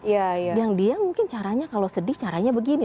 yang dia mungkin caranya kalau sedih caranya begini